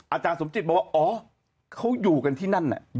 อาจารย์สมจิตบอกว่าอ๋อเขาอยู่กันที่นั่นน่ะ